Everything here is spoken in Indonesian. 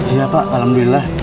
iya pak alhamdulillah